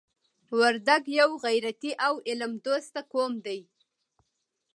وردګ یو غیرتي او علم دوسته قوم دی.